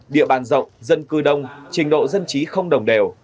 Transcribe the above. địa bàn rộng dân cư đông trình độ dân trí không đồng đều